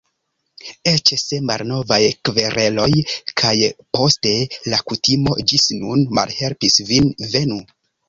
Eĉ se malnovaj kvereloj kaj poste la kutimo ĝis nun malhelpis vin: Venu!